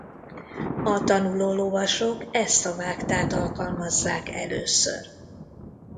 A tanuló lovasok ezt a vágtát alkalmazzák először.